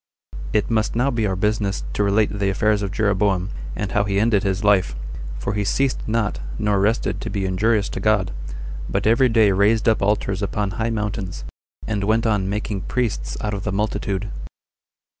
It must be now our business to relate the affairs of Jeroboam, and how he ended his life; for he ceased not nor rested to be injurious to God, but every day raised up altars upon high mountains, and went on making priests out of the multitude.